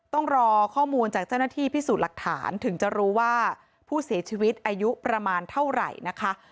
ต้องรอข้อมูลจากเจ้าหน้าที่พิสูจน์หลักฐานถึงจะรู้ว่าผู้เสียชีวิตอายุประมาณเท่าไหร่นะคะ